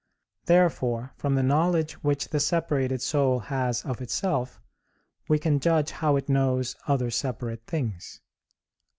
Therefore from the knowledge which the separated soul has of itself, we can judge how it knows other separate things.